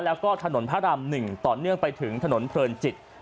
แล้วก็ถนนพระราม๑ต่อเนื่องไปถึงถนนเพลินจิต